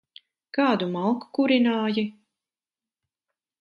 Kādu malku kurināji?